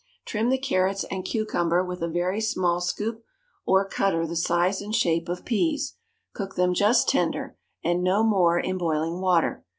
Trim the carrots and cucumber with a very small scoop or cutter the size and shape of peas; cook them just tender, and no more, in boiling water.